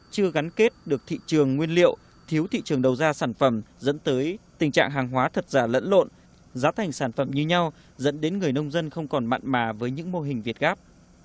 chưa gắn kết được thị trường nguyên liệu thiếu thị trường đầu ra sản phẩm dẫn tới tình trạng hàng hóa thật giả lẫn lộn giá thành sản phẩm như nhau dẫn đến người nông dân không còn mặn mà với những mô hình việt gáp